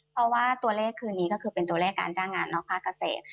เพราะว่าตัวเลขคืนนี้ก็คือเป็นตัวเลขการจ้างงานนอกภาคเกษตร